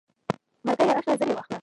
مرګیه راشه زر یې واخله.